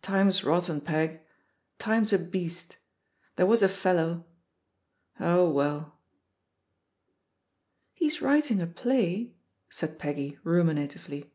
Time's rotten, Peg. Time's a beast. There was a fellow Oh, welll" "He's writing a play," said Peggy rumina lively.